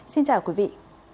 xin chào quý vị